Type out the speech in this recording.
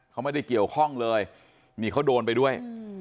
เขาไม่ได้เกี่ยวข้องเลยนี่เขาโดนไปด้วย